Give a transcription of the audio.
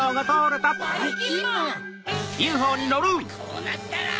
こうなったら！